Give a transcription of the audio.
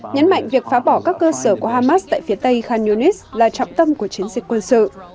nhấn mạnh việc phá bỏ các cơ sở của hamas tại phía tây khan yunis là trọng tâm của chiến dịch quân sự